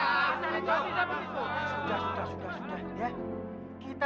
sudah sudah sudah sudah ya kita semua harus berhati hati dengan kemampuan manusia paham